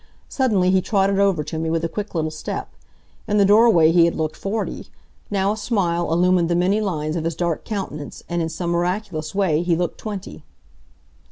Suddenly he trotted over to me with a quick little step. In the doorway he had looked forty. Now a smile illumined the many lines of his dark countenance, and in some miraculous way he looked twenty.